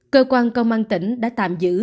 cơ quan công an tỉnh đã tạm giữ